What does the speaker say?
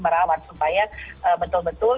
merawat supaya betul betul